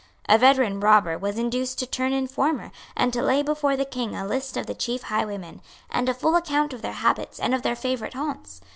A veteran robber was induced to turn informer, and to lay before the King a list of the chief highwaymen, and a full account of their habits and of their favourite haunts.